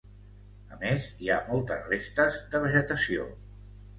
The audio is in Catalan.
A més, hi ha moltes restes de vegetació.